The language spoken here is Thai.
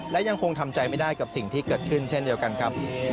และยังคงทำใจไม่ได้กับสิ่งที่เกิดขึ้นเช่นเดียวกันครับ